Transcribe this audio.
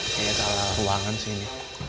kayaknya salah ruangan sih ini